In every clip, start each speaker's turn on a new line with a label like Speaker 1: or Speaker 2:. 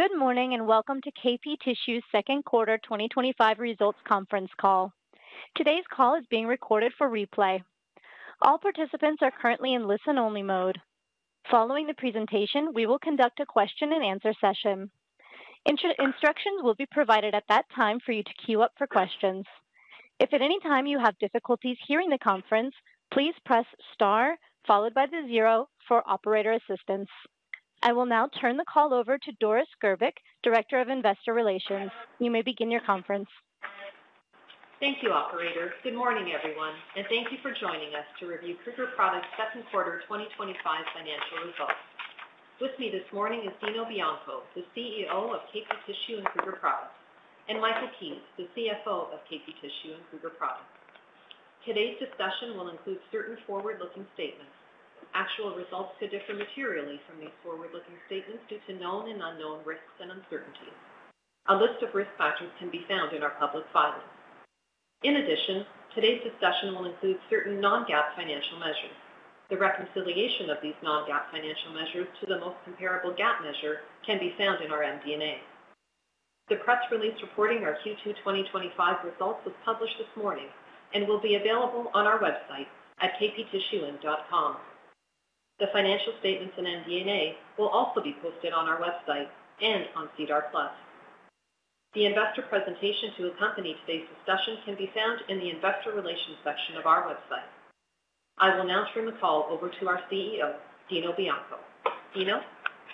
Speaker 1: Good morning and welcome to KP Tissue's Second Quarter 2025 Results Conference Call. Today's call is being recorded for replay. All participants are currently in listen-only mode. Following the presentation, we will conduct a question and answer session. Instructions will be provided at that time for you to queue up for questions. If at any time you have difficulties hearing the conference, please press star followed by the zero for operator assistance. I will now turn the call over to Doris Grbic, Director of Investor Relations. You may begin your conference.
Speaker 2: Thank you, Operator. Good morning, everyone, and thank you for joining us to review Kruger Products' Second Quarter 2025 Financial Results. With me this morning is Dino Bianco, the CEO of KP Tissue and Kruger Products, and Michael Keays, the CFO of KP Tissue. and Kruger Products. Today's discussion will include certain forward-looking statements. Actual results could differ materially from these forward-looking statements due to known and unknown risks and uncertainty. A list of risk factors can be found in our public file. In addition, today's discussion will include certain non-GAAP financial measures. The reconciliation of these non-GAAP financial measures to the most comparable GAAP measure can be found in our MD&A. The press release reporting our Q2 2025 results was published this morning and will be available on our website at kptissue.com. The financial statements and MD&A will also be posted on our website and on SEDAR+. The investor presentation to accompany today's discussion can be found in the Investor Relations section of our website. I will now turn the call over to our CEO, Dino Bianco. Dino?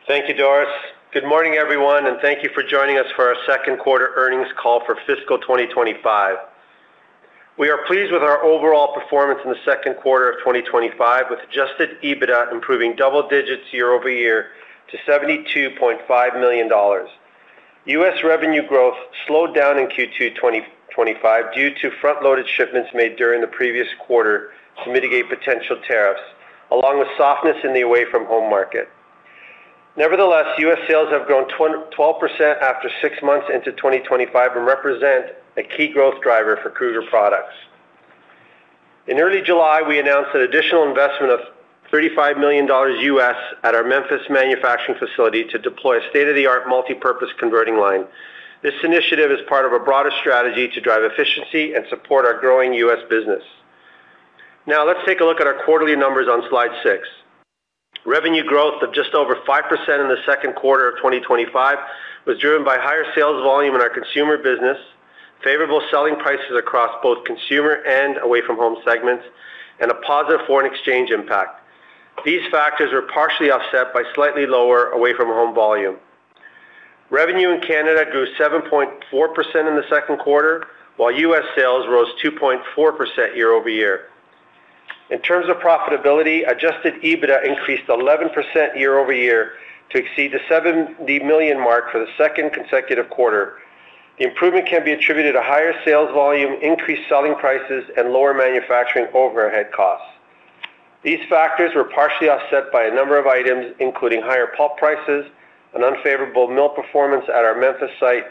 Speaker 3: Thank you, Doris. Good morning, everyone, and thank you for joining us for our second quarter earnings call for fiscal 2025. We are pleased with our overall performance in the second quarter of 2025, with adjusted EBITDA improving double digits year-over-year to $72.5 million. U.S. revenue growth slowed down in Q2 2025 due to front-loaded shipments made during the previous quarter to mitigate potential tariffs, along with softness in the away-from-home market. Nevertheless, U.S. sales have grown 12% after six months into 2025 and represent a key growth driver for Kruger Products. In early July, we announced an additional investment of $35 million U.S. at our Memphis manufacturing facility to deploy a state-of-the-art multipurpose converting line. This initiative is part of a broader strategy to drive efficiency and support our growing U.S. business. Now, let's take a look at our quarterly numbers on slide six. Revenue growth of just over 5% in the second quarter of 2025 was driven by higher sales volume in our consumer business, favorable selling prices across both consumer and away-from-home segments, and a positive foreign exchange impact. These factors were partially offset by slightly lower away-from-home volume. Revenue in Canada grew 7.4% in the second quarter, while U.S. sales rose 2.4% year-over-year. In terms of profitability, adjusted EBITDA increased 11% year-over-year to exceed the $70 million mark for the second consecutive quarter. The improvement can be attributed to higher sales volume, increased selling prices, and lower manufacturing overhead costs. These factors were partially offset by a number of items, including higher pulp prices and unfavorable mill performance at our Memphis site,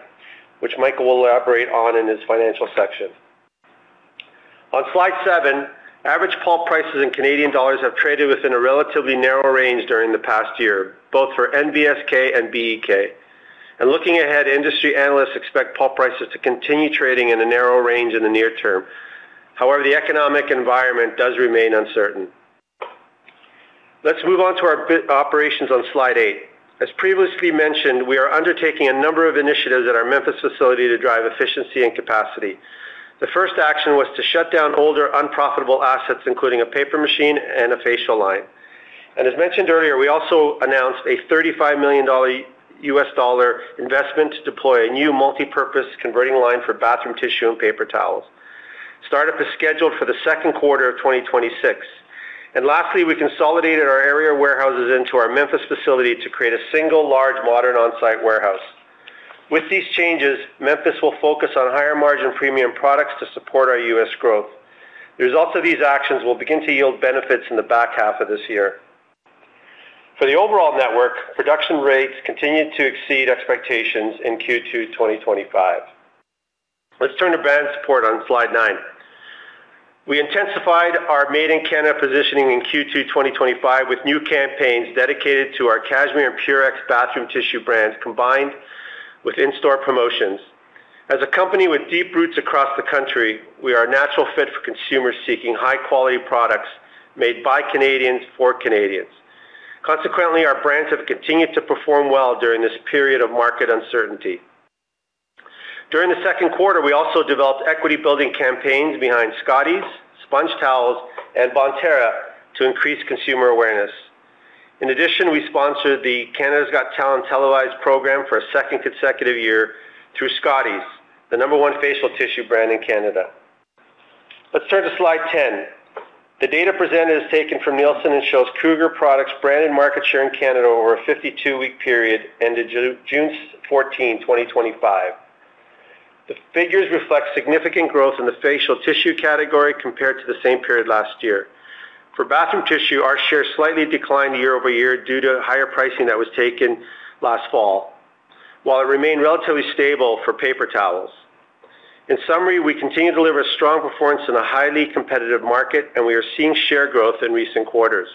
Speaker 3: which Michael will elaborate on in his financial section. On slide seven, average pulp prices in Canadian dollars have traded within a relatively narrow range during the past year, both for NBSK and BEK. Looking ahead, industry analysts expect pulp prices to continue trading in a narrow range in the near term. However, the economic environment does remain uncertain. Let's move on to our operations on slide eight. As previously mentioned, we are undertaking a number of initiatives at our Memphis facility to drive efficiency and capacity. The first action was to shut down older unprofitable assets, including a paper machine and a facial line. As mentioned earlier, we also announced a $35 million investment to deploy a new multipurpose converting line for bathroom tissue and paper towels. Startup is scheduled for the second quarter of 2026. Lastly, we consolidated our area warehouses into our Memphis facility to create a single large, modern, on-site warehouse. With these changes, Memphis will focus on higher margin premium products to support our U.S. growth. The results of these actions will begin to yield benefits in the back half of this year. For the overall network, production rates continue to exceed expectations in Q2 2025. Let's turn to brand support on slide nine. We intensified our made-in-Canada positioning in Q2 2025 with new campaigns dedicated to our Cashmere and Purex bathroom tissue brands, combined with in-store promotions. As a company with deep roots across the country, we are a natural fit for consumers seeking high-quality products made by Canadians for Canadians. Consequently, our brands have continued to perform well during this period of market uncertainty. During the second quarter, we also developed equity-building campaigns behind Scotties, SpongeTowels, and Bonterra to increase consumer awareness. In addition, we sponsored the Canada's Got Talent televised program for a second consecutive year through Scotties, the number one facial tissue brand in Canada. Let's turn to slide ten. The data presented is taken from Nielsen and shows Kruger Products' brand and market share in Canada over a 52-week period ended June 14, 2025. The figures reflect significant growth in the facial tissue category compared to the same period last year. For bathroom tissue, our share slightly declined year-over-year due to higher pricing that was taken last fall, while it remained relatively stable for paper towels. In summary, we continue to deliver a strong performance in a highly competitive market, and we are seeing share growth in recent quarters.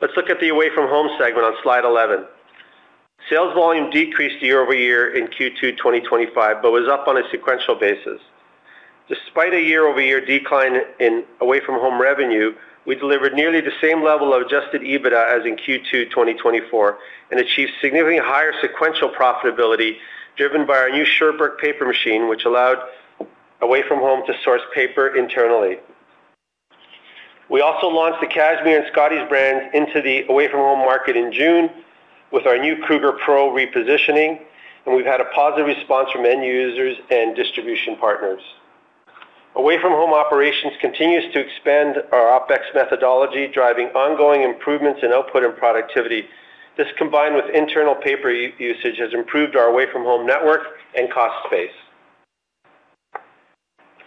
Speaker 3: Let's look at the away-from-home segment on slide 11. Sales volume decreased year-over-year in Q2 2025, but was up on a sequential basis. Despite a year-over-year decline in away-from-home revenue, we delivered nearly the same level of adjusted EBITDA as in Q2 2024 and achieved significantly higher sequential profitability driven by our new Sherbrooke paper machine, which allowed away-from-home to source paper internally. We also launched the Cashmere and Scotties brand into the away-from-home market in June with our new Kruger Pro repositioning, and we've had a positive response from end users and distribution partners. Away-from-home operations continue to expand our OpEx methodology, driving ongoing improvements in output and productivity. This, combined with internal paper usage, has improved our away-from-home network and cost base.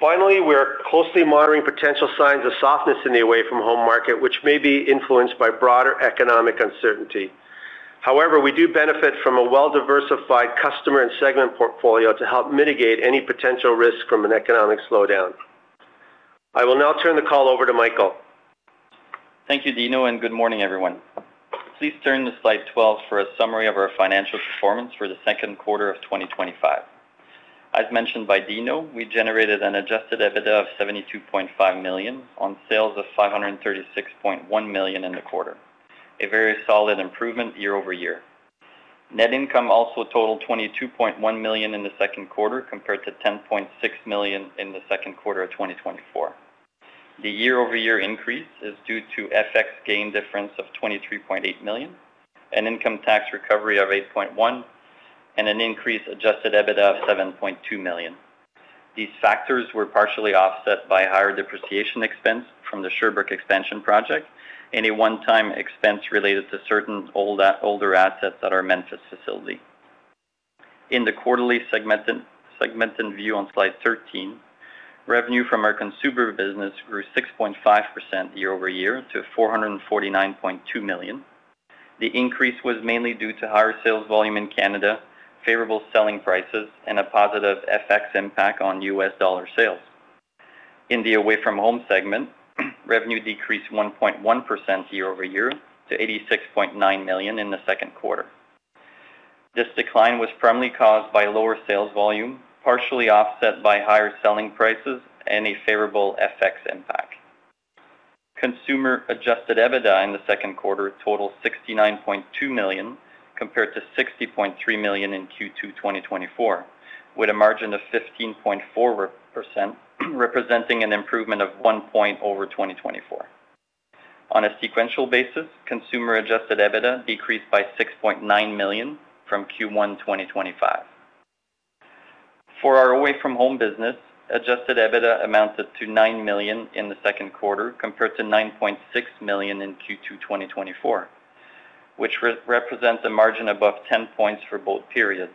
Speaker 3: Finally, we're closely monitoring potential signs of softness in the away-from-home market, which may be influenced by broader economic uncertainty. However, we do benefit from a well-diversified customer and segment portfolio to help mitigate any potential risk from an economic slowdown. I will now turn the call over to Michael.
Speaker 4: Thank you, Dino, and good morning, everyone. Please turn to slide 12 for a summary of our financial performance for the second quarter of 2025. As mentioned by Dino, we generated an adjusted EBITDA of $72.5 million on sales of $536.1 million in the quarter, a very solid improvement year-over-year. Net income also totaled $22.1 million in the second quarter, compared to $10.6 million in the second quarter of 2024. The year-over-year increase is due to FX gain difference of $23.8 million, an income tax recovery of $8.1 million, and an increased adjusted EBITDA of $7.2 million. These factors were partially offset by higher depreciation expense from the Sherbrooke expansion project and a one-time expense related to certain older assets at our Memphis facility. In the quarterly segmented view on slide 13, revenue from our consumer business grew 6.5% year-over-year to $449.2 million. The increase was mainly due to higher sales volume in Canada, favorable selling prices, and a positive FX impact on U.S. dollar sales. In the away-from-home segment, revenue decreased 1.1% year-over-year to $86.9 million in the second quarter. This decline was primarily caused by lower sales volume, partially offset by higher selling prices and a favorable FX impact. Consumer adjusted EBITDA in the second quarter totaled $69.2 million compared to $60.3 million in Q2 2024, with a margin of 15.4% representing an improvement of one point over 2024. On a sequential basis, consumer adjusted EBITDA decreased by $6.9 million from Q1 2025. For our away-from-home business, adjusted EBITDA amounted to $9 million in the second quarter compared to $9.6 million in Q2 2024, which represents a margin above 10% for both periods.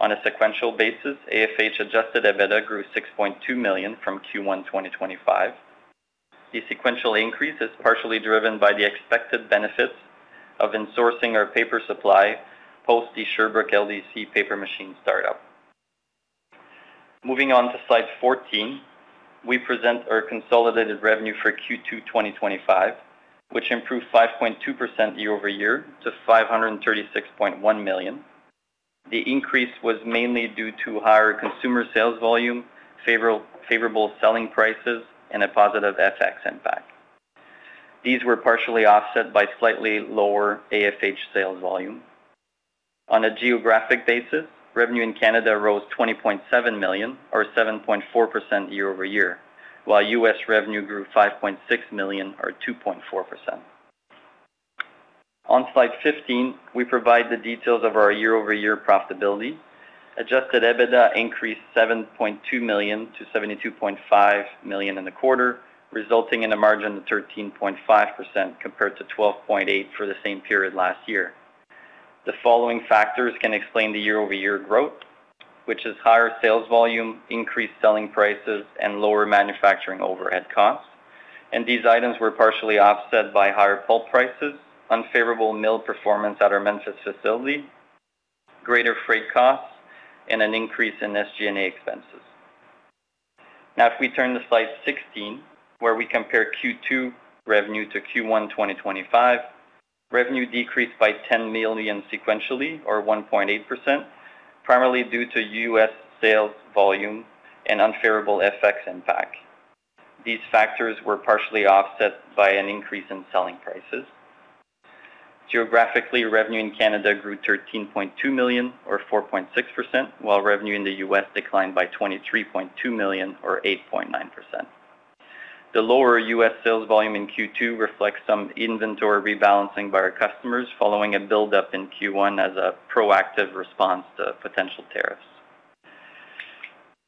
Speaker 4: On a sequential basis, AFH adjusted EBITDA grew $6.2 million from Q1 2025. The sequential increase is partially driven by the expected benefits of insourcing our paper supply post the Sherbrooke LDC paper machine startup. Moving on to slide 14, we present our consolidated revenue for Q2 2025, which improved 5.2% year-over-year to $536.1 million. The increase was mainly due to higher consumer sales volume, favorable selling prices, and a positive FX impact. These were partially offset by slightly lower AFH sales volume. On a geographic basis, revenue in Canada rose $20.7 million, or 7.4% year-over-year, while U.S. revenue grew $5.6 million, or 2.4%. On slide 15, we provide the details of our year-over-year profitability. Adjusted EBITDA increased [$7.2 million to $72.5 million] in the quarter, resulting in a margin of 13.5% compared to $12.8 million for the same period last year. The following factors can explain the year-over-year growth, which is higher sales volume, increased selling prices, and lower manufacturing overhead costs. These items were partially offset by higher pulp prices, unfavorable mill performance at our Memphis facility, greater freight costs, and an increase in SG&A expenses. If we turn to slide 16, where we compare Q2 revenue to Q1 2025, revenue decreased by $10 million sequentially, or 1.8%, primarily due to U.S. sales volume and unfavorable FX impact. These factors were partially offset by an increase in selling prices. Geographically, revenue in Canada grew $13.2 million, or 4.6%, while revenue in the U.S. declined by $23.2 million, or 8.9%. The lower U.S. sales volume in Q2 reflects some inventory rebalancing by our customers following a buildup in Q1 as a proactive response to potential tariffs.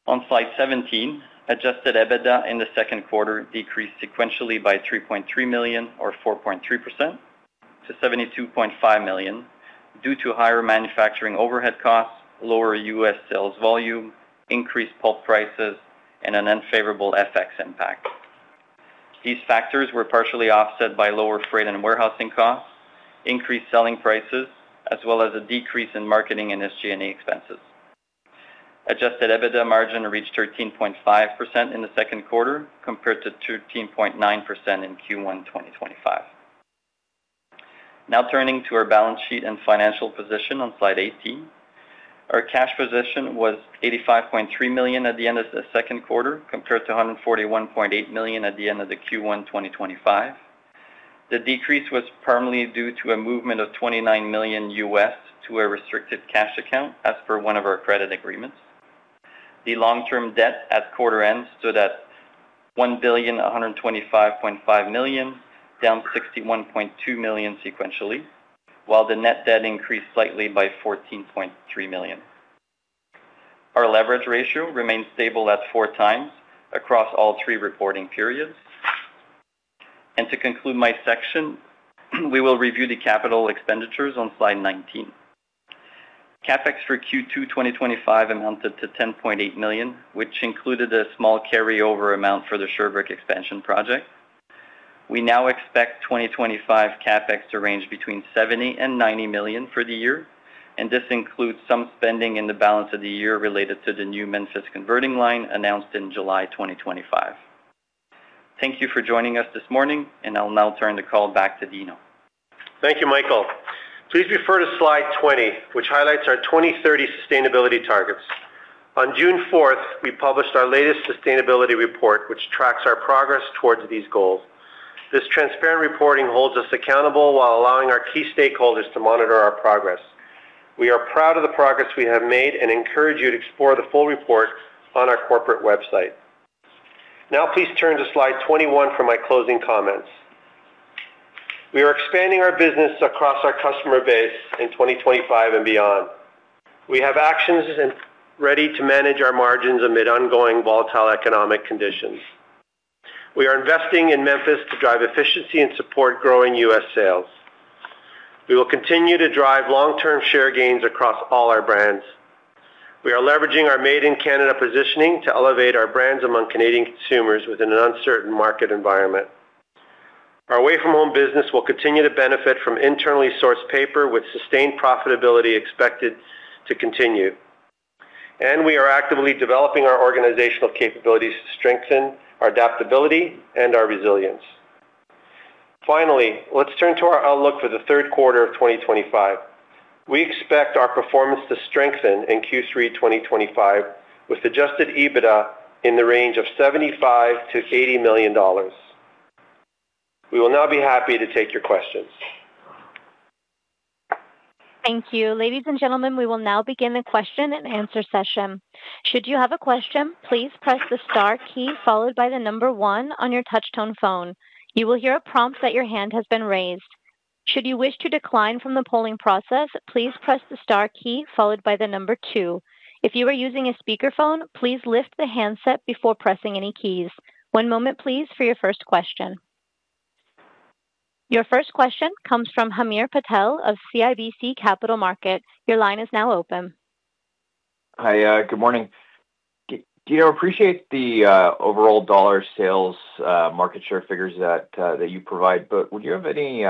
Speaker 4: On slide 17, adjusted EBITDA in the second quarter decreased sequentially by $3.3 million, or 4.3%, to $72.5 million due to higher manufacturing overhead costs, lower U.S. sales volume, increased pulp prices, and an unfavorable FX impact. These factors were partially offset by lower freight and warehousing costs, increased selling prices, as well as a decrease in marketing and SG&A expenses. Adjusted EBITDA margin reached 13.5% in the second quarter compared to 13.9% in Q1 2025. Now turning to our balance sheet and financial position on slide 18, our cash position was $85.3 million at the end of the second quarter compared to $141.8 million at the end of Q1 2025. The decrease was primarily due to a movement of $29 million to a restricted cash account as per one of our credit agreements. The long-term debt at quarter end stood at $1,125,500,000, down $61.2 million sequentially, while the net debt increased slightly by $14.3 million. Our leverage ratio remained stable at 4x across all three reporting periods. To conclude my section, we will review the capital expenditures on slide 19. CapEx for Q2 2025 amounted to $10.8 million, which included a small carryover amount for the Sherbrooke expansion project. We now expect 2025 CapEx to range between $70 million and $90 million for the year, and this includes some spending in the balance of the year related to the new Memphis converting line announced in July 2025. Thank you for joining us this morning, and I'll now turn the call back to Dino.
Speaker 3: Thank you, Michael. Please refer to slide 20, which highlights our 2030 sustainability targets. On June 4th, we published our latest sustainability report, which tracks our progress towards these goals. This transparent reporting holds us accountable while allowing our key stakeholders to monitor our progress. We are proud of the progress we have made and encourage you to explore the full report on our corporate website. Now, please turn to slide 21 for my closing comments. We are expanding our business across our customer base in 2025 and beyond. We have actions ready to manage our margins amid ongoing volatile economic conditions. We are investing in Memphis to drive efficiency and support growing U.S. sales. We will continue to drive long-term share gains across all our brands. We are leveraging our made-in-Canada positioning to elevate our brands among Canadian consumers within an uncertain market environment. Our away-from-home business will continue to benefit from internally sourced paper, with sustained profitability expected to continue. We are actively developing our organizational capabilities to strengthen our adaptability and our resilience. Finally, let's turn to our outlook for the third quarter of 2025. We expect our performance to strengthen in Q3 2025, with adjusted EBITDA in the range of $75 million-$80 million. We will now be happy to take your questions.
Speaker 1: Thank you. Ladies and gentlemen, we will now begin the question and answer session. Should you have a question, please press the star key followed by the number one on your touch-tone phone. You will hear a prompt that your hand has been raised. Should you wish to decline from the polling process, please press the star key followed by the number two. If you are using a speakerphone, please lift the handset before pressing any keys. One moment, please, for your first question. Your first question comes from Hamir Patel of CIBC Capital Markets. Your line is now open.
Speaker 5: Hi, good morning. Dino, I appreciate the overall dollar sales market share figures that you provide, but would you have any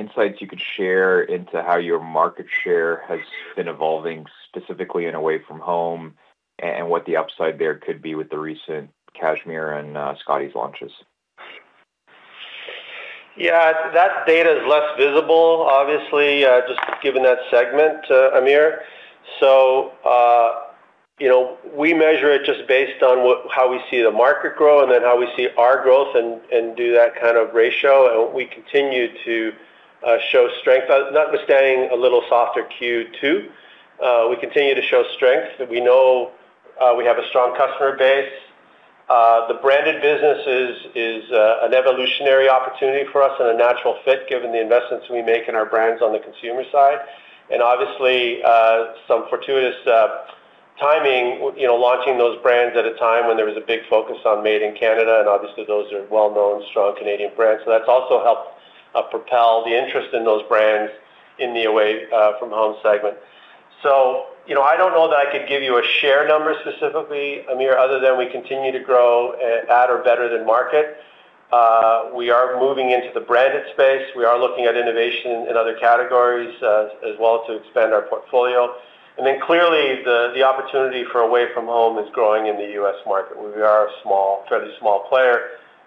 Speaker 5: insights you could share into how your market share has been evolving, specifically in away-from-home, and what the upside there could be with the recent Cashmere and Scotties launches?
Speaker 3: That data is less visible, obviously, just given that segment, Hamir. We measure it just based on how we see the market grow and then how we see our growth and do that kind of ratio. We continue to show strength, notwithstanding a little softer Q2. We continue to show strength. We know we have a strong customer base. The branded business is an evolutionary opportunity for us and a natural fit, given the investments we make in our brands on the consumer side. Obviously, some fortuitous timing, launching those brands at a time when there was a big focus on made-in-Canada, and those are well-known, strong Canadian brands. That has also helped propel the interest in those brands in the away-from-home segment. I don't know that I could give you a share number specifically, Hamir, other than we continue to grow at or better than market. We are moving into the branded space. We are looking at innovation in other categories as well to expand our portfolio. Clearly, the opportunity for away-from-home is growing in the U.S. market. We are a small, fairly small player,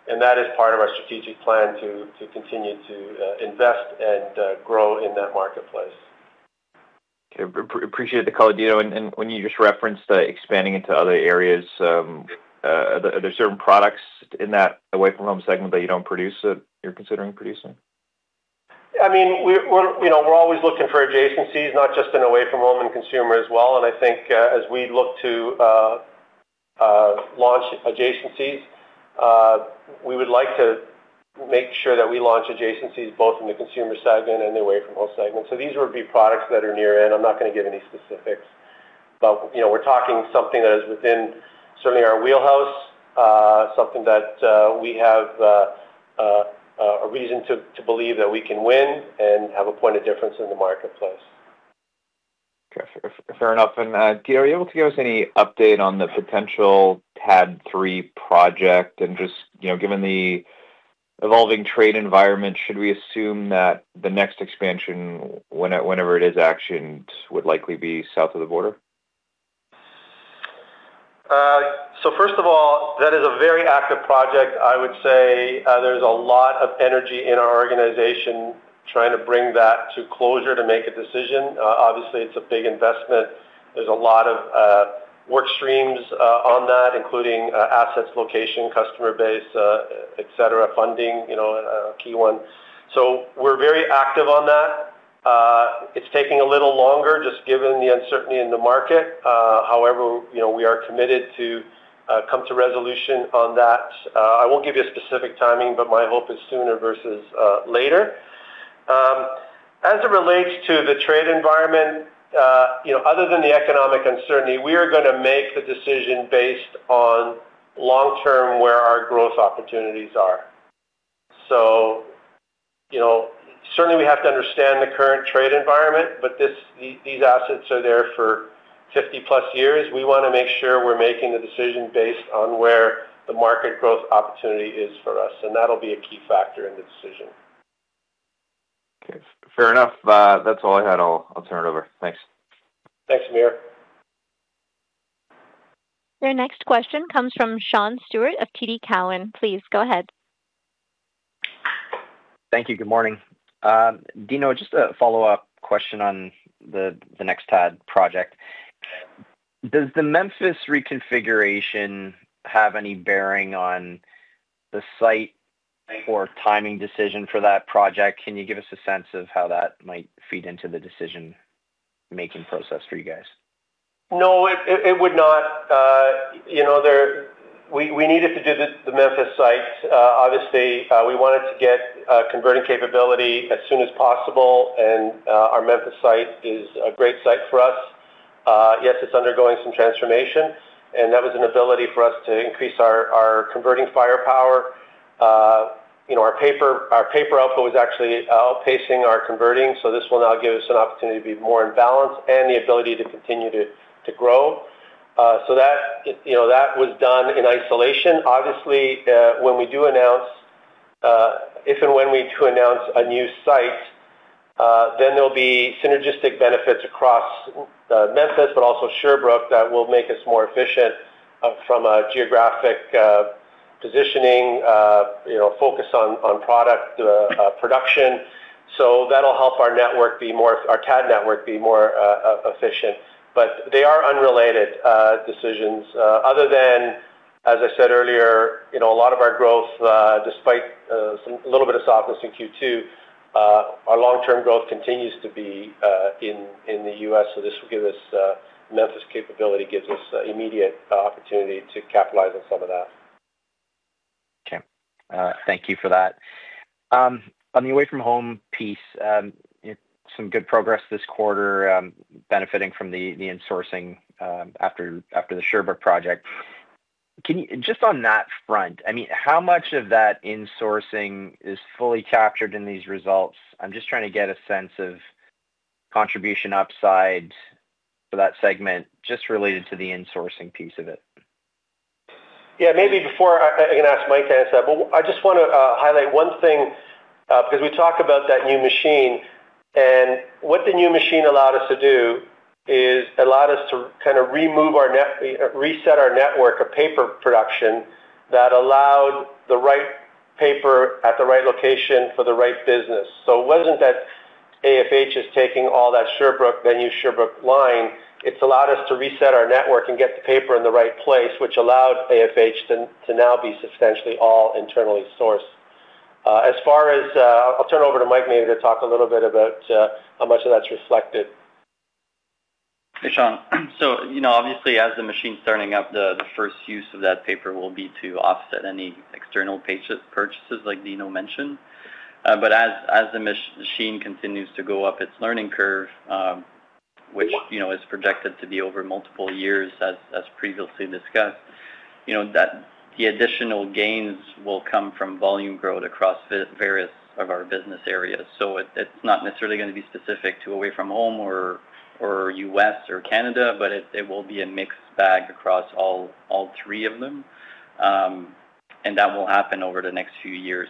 Speaker 3: and that is part of our strategic plan to continue to invest and grow in that marketplace.
Speaker 5: Okay, appreciate the call, Dino. When you just referenced expanding into other areas, are there certain products in that away-from-home segment that you don't produce that you're considering producing?
Speaker 3: We're always looking for adjacencies, not just in away-from-home and consumer as well. I think as we look to launch adjacencies, we would like to make sure that we launch adjacencies both in the consumer segment and the away-from-home segment. These would be products that are near-end. I'm not going to give any specifics, but we're talking something that is within certainly our wheelhouse, something that we have a reason to believe that we can win and have a point of difference in the marketplace.
Speaker 5: Okay, fair enough. Dino, are you able to give us any update on the potential TAD3 project? Just, you know, given the evolving trade environment, should we assume that the next expansion, whenever it is actioned, would likely be south of the border?
Speaker 3: First of all, that is a very active project. I would say there's a lot of energy in our organization trying to bring that to closure to make a decision. Obviously, it's a big investment. There's a lot of work streams on that, including assets, location, customer base, et cetera, funding, you know, a key one. We are very active on that. It's taking a little longer just given the uncertainty in the market. However, we are committed to come to resolution on that. I won't give you a specific timing, but my hope is sooner versus later. As it relates to the trade environment, other than the economic uncertainty, we are going to make the decision based on long-term where our growth opportunities are. Certainly we have to understand the current trade environment, but these assets are there for 50+ years. We want to make sure we're making a decision based on where the market growth opportunity is for us, and that'll be a key factor in the decision.
Speaker 5: Okay, fair enough. That's all I had. I'll turn it over. Thanks.
Speaker 3: Thanks, Hamir.
Speaker 1: Our next question comes from Sean Steuart of TD Cowen. Please go ahead.
Speaker 6: Thank you. Good morning. Dino, just a follow-up question on the next TAD project. Does the Memphis reconfiguration have any bearing on the site or timing decision for that project? Can you give us a sense of how that might feed into the decision-making process for you guys?
Speaker 3: No, it would not. We needed to do the Memphis site. Obviously, we wanted to get converting capability as soon as possible, and our Memphis site is a great site for us. Yes, it's undergoing some transformation, and that was an ability for us to increase our converting firepower. Our paper output was actually outpacing our converting, so this will now give us an opportunity to be more in balance and the ability to continue to grow. That was done in isolation. Obviously, if and when we do announce a new site, there will be synergistic benefits across Memphis, but also Sherbrooke that will make us more efficient from a geographic positioning, focus on product production. That will help our network be more, our TAD network be more efficient. They are unrelated decisions. Other than, as I said earlier, a lot of our growth, despite a little bit of softness in Q2, our long-term growth continues to be in the U.S., so this will give us Memphis capability, gives us immediate opportunity to capitalize on some of that.
Speaker 6: Okay. Thank you for that. On the away-from-home piece, you know, some good progress this quarter benefiting from the insourcing after the Sherbrooke project. Can you, just on that front, I mean, how much of that insourcing is fully captured in these results? I'm just trying to get a sense of contribution upside for that segment just related to the insourcing piece of it.
Speaker 3: Yeah, maybe before I can ask Mike to answer that, I just want to highlight one thing because we talk about that new machine, and what the new machine allowed us to do is allowed us to kind of remove our network, reset our network of paper production that allowed the right paper at the right location for the right business. It wasn't that the AFH is taking all that Sherbrooke, then you Sherbrooke line. It's allowed us to reset our network and get the paper in the right place, which allowed the AFH to now be substantially all internally sourced. As far as, I'll turn over to Mike maybe to talk a little bit about how much of that's reflected.
Speaker 4: Hey, Sean. As the machine's starting up, the first use of that paper will be to offset any external purchases like Dino mentioned. As the machine continues to go up its learning curve, which is projected to be over multiple years as previously discussed, the additional gains will come from volume growth across various of our business areas. It's not necessarily going to be specific to away-from-home or U.S. or Canada, but it will be a mixed bag across all three of them. That will happen over the next few years.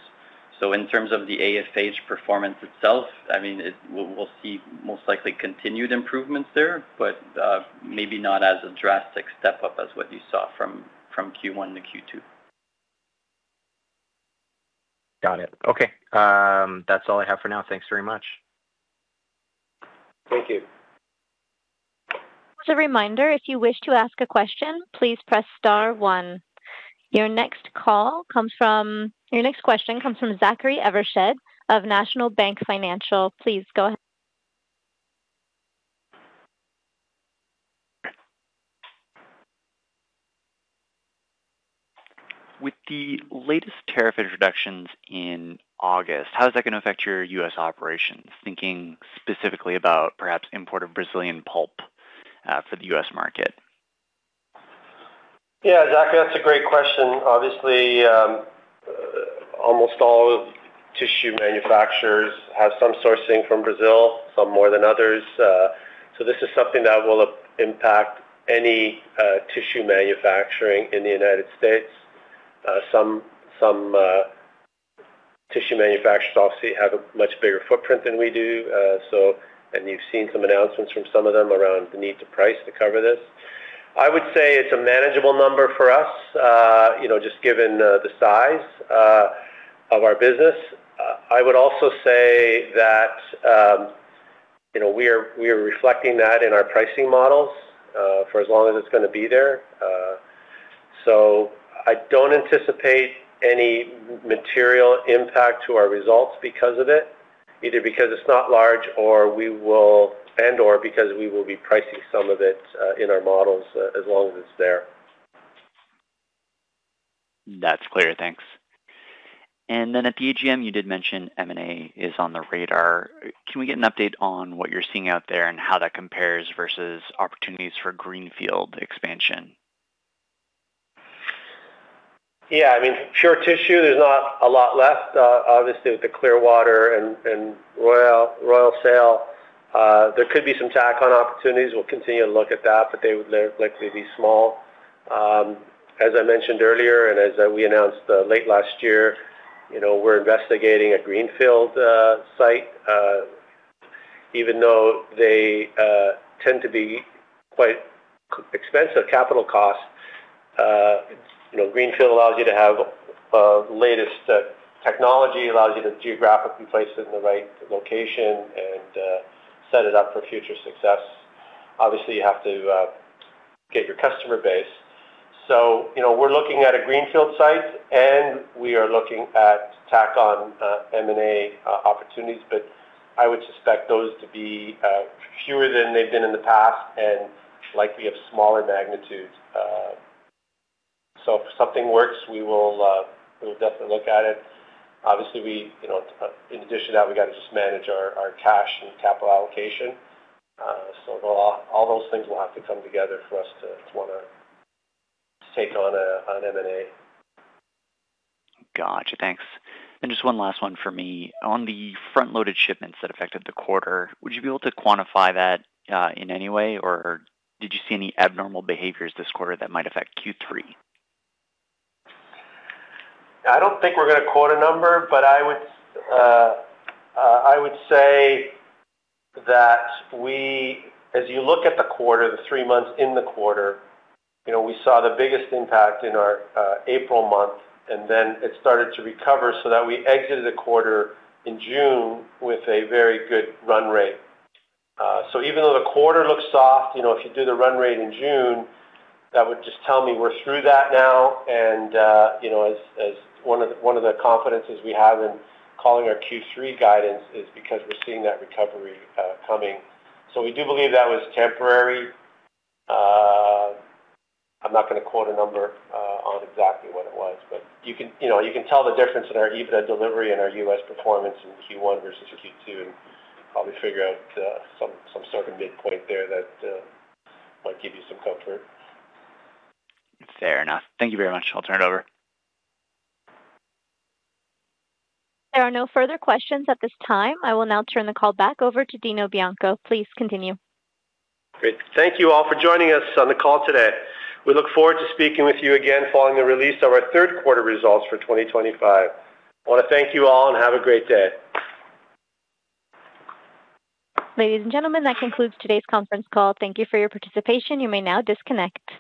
Speaker 4: In terms of the AFH performance itself, we'll see most likely continued improvements there, but maybe not as a drastic step up as what you saw from Q1 to Q2.
Speaker 6: Got it. Okay. That's all I have for now. Thanks very much.
Speaker 3: Thank you.
Speaker 1: As a reminder, if you wish to ask a question, please press star one. Your next question comes from Zachary Evershed of National Bank Financial. Please go ahead.
Speaker 7: With the latest tariff introductions in August, how is that going to affect your U.S. operations, thinking specifically about perhaps import of Brazilian pulp for the U.S. market?
Speaker 3: Yeah, Zack, that's a great question. Obviously, almost all tissue manufacturers have some sourcing from Brazil, some more than others. This is something that will impact any tissue manufacturing in the United States. Some tissue manufacturers obviously have a much bigger footprint than we do, and you've seen some announcements from some of them around the need to price to cover this. I would say it's a manageable number for us, just given the size of our business. I would also say that we are reflecting that in our pricing models for as long as it's going to be there. I don't anticipate any material impact to our results because of it, either because it's not large or we will, and/or because we will be pricing some of it in our models as long as it's there.
Speaker 7: That's clear. Thanks. At the AGM, you did mention M&A is on the radar. Can we get an update on what you're seeing out there and how that compares versus opportunities for greenfield expansion?
Speaker 3: Yeah, I mean, pure tissue there's not a lot left. Obviously, with the Clearwater and Royal sale, there could be some tack-on opportunities. We'll continue to look at that, but they would likely be small. As I mentioned earlier, and as we announced late last year, we're investigating a greenfield site. Even though they tend to be quite expensive capital costs, greenfield allows you to have the latest technology, allows you to geographically place it in the right location and set it up for future success. Obviously, you have to get your customer base. We're looking at a greenfield site and we are looking at tack-on M&A opportunities, but I would suspect those to be fewer than they've been in the past and likely of smaller magnitude. If something works, we will definitely look at it. Obviously, in addition to that, we got to manage our cash and capital allocation. All those things will have to come together for us to want to take on an M&A.
Speaker 7: Gotcha. Thanks. Just one last one for me. On the front-loaded shipments that affected the quarter, would you be able to quantify that in any way, or did you see any abnormal behaviors this quarter that might affect Q3?
Speaker 3: I don't think we're going to quote a number, but I would say that we, as you look at the quarter, the three months in the quarter, we saw the biggest impact in our April month, and then it started to recover, so that we exited the quarter in June with a very good run rate. Even though the quarter looks soft, if you do the run rate in June, that would just tell me we're through that now. As one of the confidences we have in calling our Q3 guidance is because we're seeing that recovery coming. We do believe that was temporary. I'm not going to quote a number on exactly what it was, but you can tell the difference in our EBITDA delivery and our U.S. performance in Q1 versus Q2. I'll be figuring out some sort of midpoint there that might give you some comfort.
Speaker 7: Fair enough. Thank you very much. I'll turn it over.
Speaker 1: There are no further questions at this time. I will now turn the call back over to Dino Bianco. Please continue.
Speaker 3: Great. Thank you all for joining us on the call today. We look forward to speaking with you again following the release of our third quarter results for 2025. I want to thank you all and have a great day.
Speaker 1: Ladies and gentlemen, that concludes today's conference call. Thank you for your participation. You may now disconnect.